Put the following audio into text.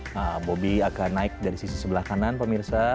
nah bobby akan naik dari sisi sebelah kanan pemirsa